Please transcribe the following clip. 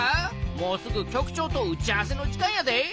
もうすぐ局長と打ち合わせの時間やで。